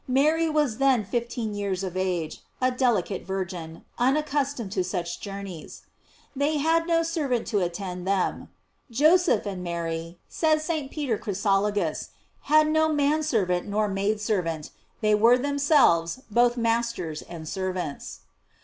Mary was then fifteen years of age, a delicate virgin, unaccustomed to such journeys. They had no servant to attend them. Joseph and Mary, said St. Peter Chrysologus, had no man servant nor maid servant; they were themselves both masters and servants.